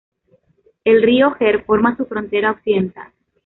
El río Gers forma su frontera occidental.